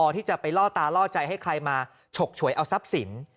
ที่จะไปล่อตาล่อใจให้ใครมาฉกฉวยเอาทรัพย์สิน